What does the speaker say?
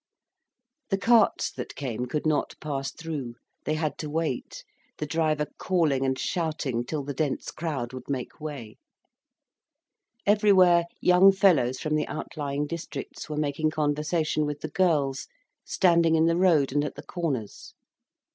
The carts that came could not pass through. They had to wait, the driver calling and shouting, till the dense crowd would make way. Everywhere, young fellows from the outlying districts were making conversation with the girls, standing in the road and at the corners.